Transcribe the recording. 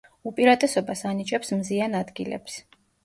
უპირატესობას ანიჭებს მზიან ადგილებს.